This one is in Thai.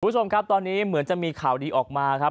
คุณผู้ชมครับตอนนี้เหมือนจะมีข่าวดีออกมาครับ